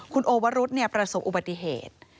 คุณโอวรุธประสบอุบัติเหตุ